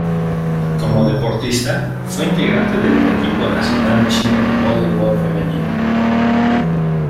Como deportista fue integrante del equipo nacional chino de voleibol femenino.